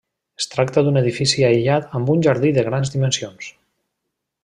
Es tracta d'un edifici aïllat amb un jardí de grans dimensions.